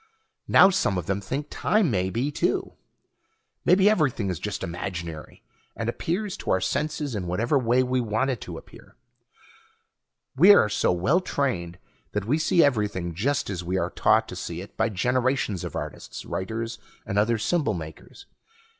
Now some of them think time may be, too. Maybe everything is just imaginary, and appears to our senses in whatever way we want it to appear. We are so well trained that we see everything just as we are taught to see it by generations of artists, writers, and other symbol makers.